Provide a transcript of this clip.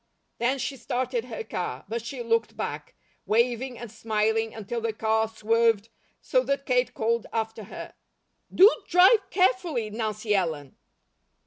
Then she started her car; but she looked back, waving and smiling until the car swerved so that Kate called after her: "Do drive carefully, Nancy Ellen!"